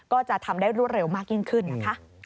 ก็จะทำได้รวดเร็วมากยิ่งขึ้นนะคะ